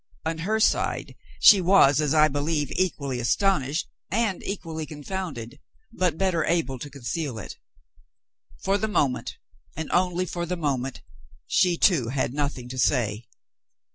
On her side she was, as I believe, equally astonished and equally confounded, but better able to conceal it. For the moment, and only for the moment, she too had nothing to say.